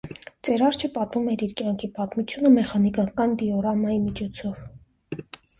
Ծեր արջը պատմում է իր կյանքի պատմությունը մեխանիկական դիոռամայի միջոցով։